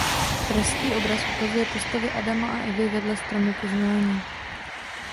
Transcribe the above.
Pražský obraz ukazuje postavy Adama a Evy vedle Stromu poznání.